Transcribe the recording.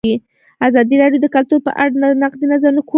ازادي راډیو د کلتور په اړه د نقدي نظرونو کوربه وه.